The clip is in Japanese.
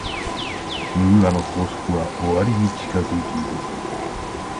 ムーアの法則は終わりに近づいている。